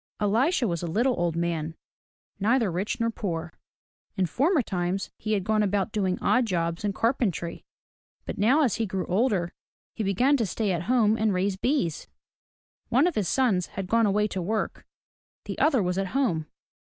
Elisha was a little old man, neither rich nor poor. In former times he had gone about doing odd jobs in carpentry; but now as he grew older, he began to stay at home and raise bees. One of his sons had gone away to work, the other was at home.